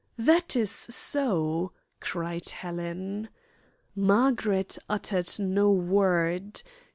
"That is so," cried Helen. Margaret uttered no word.